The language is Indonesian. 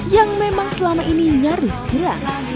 yang memang selama ini nyaris hilang